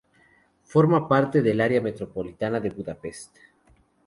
Forma parte del área metropolitana de Budapest.